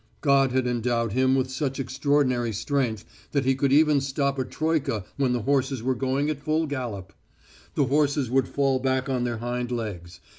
God had endowed him with such extraordinary strength that he could even stop a troika when the horses were going at full gallop. The horses would fall back on their hind legs.